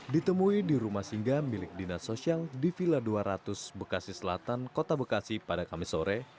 ditemui di rumah singgah milik dinas sosial di villa dua ratus bekasi selatan kota bekasi pada kamis sore